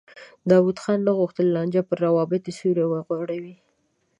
داود خان نه غوښتل لانجه پر روابطو سیوری وغوړوي.